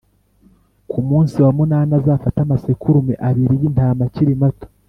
Ku munsi wa munani azafate amasekurume abiri y intama akiri mato